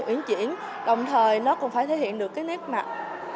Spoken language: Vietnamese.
nguyễn chuyển đồng thời nó còn phải thể hiện được cái nét mặt